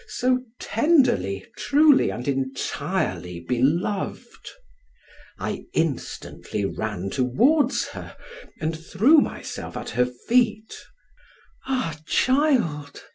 so tenderly, truly, and entirely beloved. I instantly ran towards her, and threw myself at her feet. "Ah! child!"